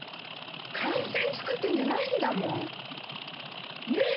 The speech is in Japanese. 簡単に作ってるんじゃないんだもん。ねぇ。